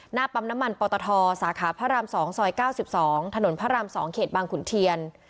หน้าปั๊มน้ำมันปตทสาขาพระราม๒ซอย๙๒ถนนพระราม๒เขตบางขุนเทียน